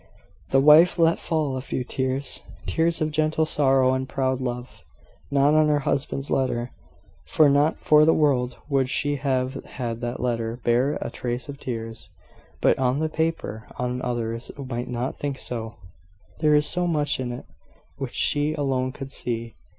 The wife let fall a few tears tears of gentle sorrow and proud love, not on her husband's letter (for not for the world would she have had that letter bear a trace of tears), but on the paper on which she wrote. The letter appeared to her very touching; but others might not think so: there was so much in it which she alone could see!